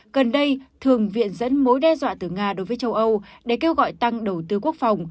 gần đây thường viện dẫn mối đe dọa từ nga đối với châu âu để kêu gọi tăng đầu tư quốc phòng